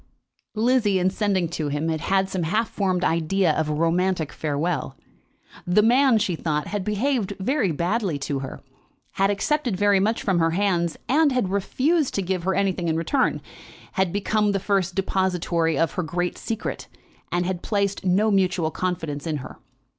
Lizzie, in sending to him, had some half formed idea of a romantic farewell. The man, she thought, had behaved very badly to her, had accepted very much from her hands, and had refused to give her anything in return; had become the first depository of her great secret, and had placed no mutual confidence in her.